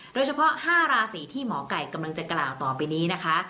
โดยเฉพาะห้าราศีที่หมอไก่กำลังจะกล่าวต่อปีนี้นะคะ